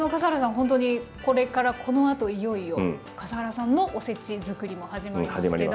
ほんとにこれからこのあといよいよ笠原さんのおせちづくりも始まりますけど。